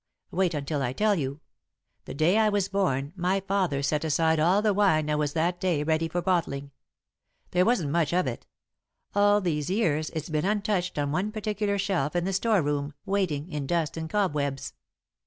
Wait until I tell you. The day I was born, my father set aside all the wine that was that day ready for bottling. There wasn't much of it. All these years, it's been untouched on one particular shelf in the storeroom, waiting, in dust and cobwebs.